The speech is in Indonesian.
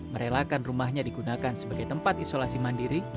merelakan rumahnya digunakan sebagai tempat isolasi mandiri